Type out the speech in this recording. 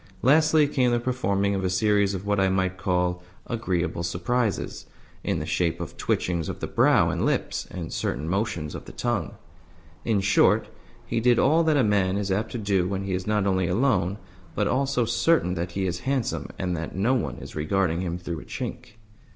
Lastly came the performing of a series of what I might call "agreeable surprises," in the shape of twitchings of the brow and lips and certain motions of the tongue. In short, he did all that a man is apt to do when he is not only alone, but also certain that he is handsome and that no one is regarding him through a chink.